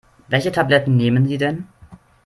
Welche Tabletten nehmen Sie denn?